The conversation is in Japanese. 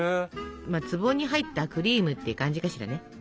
「壺に入ったクリーム」って感じかしらね。